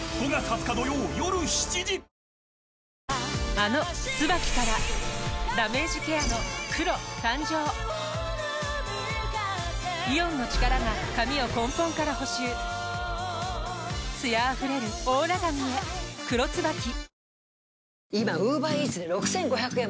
あの「ＴＳＵＢＡＫＩ」からダメージケアの黒誕生イオンの力が髪を根本から補修艶あふれるオーラ髪へ「黒 ＴＳＵＢＡＫＩ」